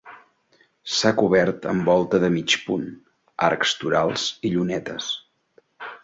S'ha cobert amb volta de mig punt, arcs torals i llunetes.